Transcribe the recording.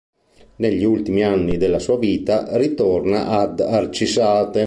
Negli ultimi anni della sua vita ritorna ad Arcisate.